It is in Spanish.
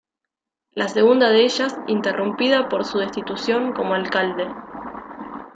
La segunda de ellas interrumpida por su destitución como alcalde.